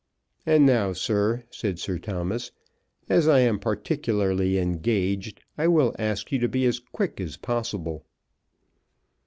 "And now, sir," said Sir Thomas, "as I am particularly engaged, I will ask you to be as quick as possible."